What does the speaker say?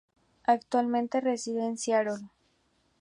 Actualmente, reside en Seattle.